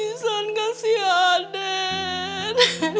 bisa gak sih ya deng